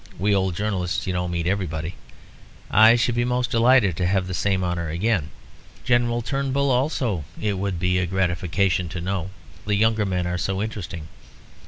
"We old journalists, you know, meet everybody. I should be most delighted to have the same honour again. General Turnbull, also, it would be a gratification to know. The younger men are so interesting.